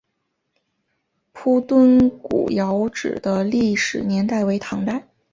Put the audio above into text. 铺墩古窑址的历史年代为唐代。